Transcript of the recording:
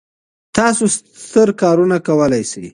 تاسو ستر کارونه کولای سئ.